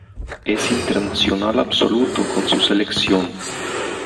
Es internacional absoluto con su selección.